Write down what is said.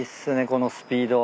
このスピード。